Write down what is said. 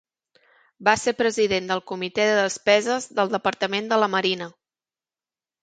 Va ser president de el Comitè de Despeses del Departament de la Marina.